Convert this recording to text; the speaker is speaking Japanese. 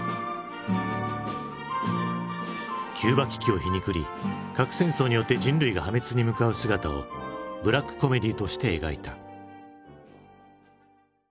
キューバ危機を皮肉り核戦争によって人類が破滅に向かう姿をブラックコメディーとして描いた。